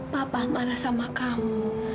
papa marah sama kamu